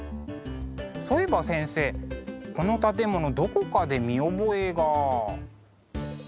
そういえば先生この建物どこかで見覚えが。